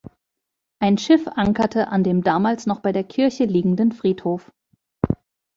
Ein Schiff ankerte an dem damals noch bei der Kirche liegenden Friedhof.